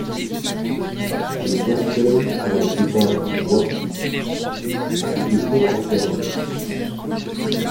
Les cercueils, pour la plupart en bois, ont été peu conservés.